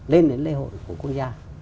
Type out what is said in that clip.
lên đến lễ hội của quốc gia